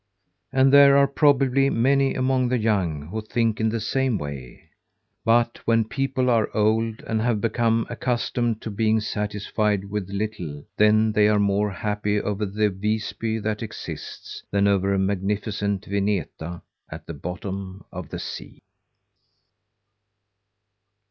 And there are probably many among the young who think in the same way. But when people are old, and have become accustomed to being satisfied with little, then they are more happy over the Visby that exists, than over a magnificent Vineta at the bottom of the sea.